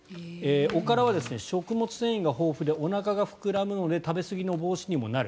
おからは食物繊維が豊富でおなかが膨らむので食べすぎの防止にもなる。